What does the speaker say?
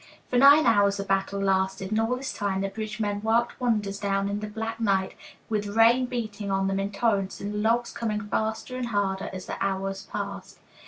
For nine hours the battle lasted, and all this time the bridge men worked wonders down in the black night, with rain beating on them in torrents and the logs coming faster and harder as the hours passed.